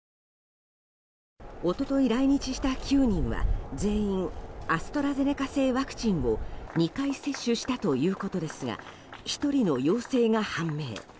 一昨日来日した９人は全員アストラゼネカ製ワクチンを２回接種したということですが１人の陽性が判明。